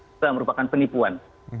itu yang merupakan penipuan